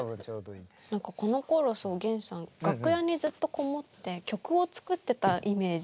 何かこのころおげんさん楽屋にずっと籠もって曲を作ってたイメージ。